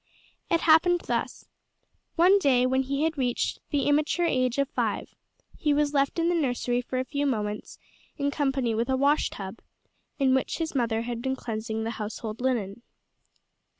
It happened thus. One day, when he had reached the immature age of five, he was left in the nursery for a few moments in company with a wash tub, in which his mother had been cleansing the household linen.